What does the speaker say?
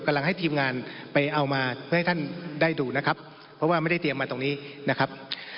กำลังให้ทีมงานไปเอามาเพื่อให้ท่านได้ดูนะครับเพราะว่าไม่ได้เตรียมมาตรงนี้นะครับ